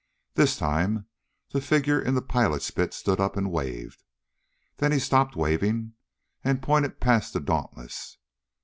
This time the figure in the pilot's pit stood up, and waved. Then he stopped waving and pointed past the Dauntless.